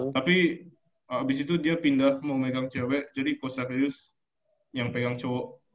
tapi abis itu dia pindah mau megang cewek jadi coach saferius yang pegang cowok